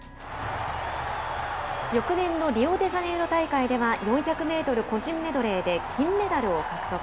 翌年のリオデジャネイロ大会では４００メートル個人メドレーで金メダルを獲得。